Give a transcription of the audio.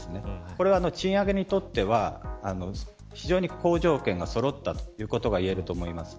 これは賃上げにとっては非常に好条件がそろったということが言えると思います。